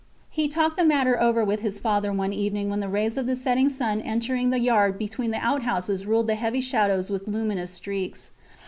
He talked the matter over with his father one evening when the rays of the setting sun entering the yard between the outhouses ruled the heavy shadows with luminous streaks.